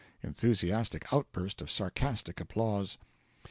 (Enthusiastic outburst of sarcastic applause.)